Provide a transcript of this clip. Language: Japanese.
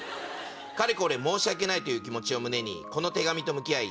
かれこれ申し訳ない気持ちを胸にこの手紙と向き合い